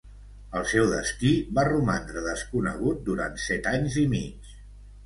El seu destí va romandre desconegut durant set anys i mig.